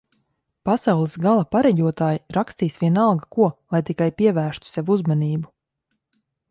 Pasaules gala pareģotāji rakstīs vienalga ko, lai tikai pievērstu sev uzmanību